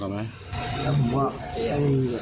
แล้วผมว่าไอ้คุณมันโอ้โฮ